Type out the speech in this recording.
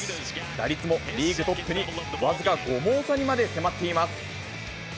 打率もリーグトップに僅か５毛差にまで迫っています。